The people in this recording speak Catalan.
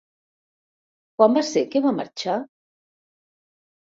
Quan va ser que va marxar?